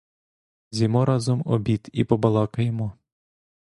З'їмо разом обід і побалакаємо.